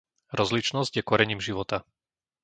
Rozličnosť je korením života.